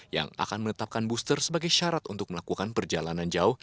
yang akan menetapkan booster sebagai syarat untuk melakukan perjalanan jauh